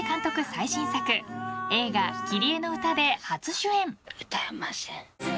最新作映画『キリエのうた』で初主演］